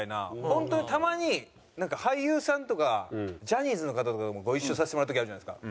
ホントにたまに俳優さんとかジャニーズの方とかとご一緒させてもらう時あるじゃないですか。